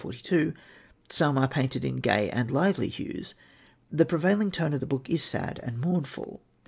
1842) some are painted in gay and lively hues, the prevailing tone of the book is sad and mournful.